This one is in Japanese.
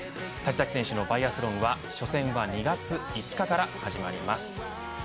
立崎選手のバイアスロンは初戦は２月５日から始まります。